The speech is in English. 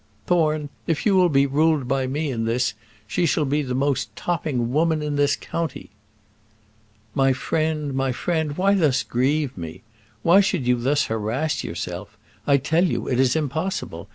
"Thorne, if you will be ruled by me in this, she shall be the most topping woman in this county." "My friend, my friend, why thus grieve me? Why should you thus harass yourself? I tell you it is impossible.